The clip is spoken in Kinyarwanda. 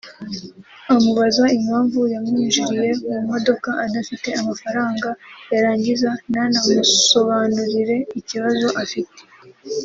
amubaza impamvu yamwinjiriye mu modoka adafite amafaranga yarangiza ntanamusobanurire ikibazo afite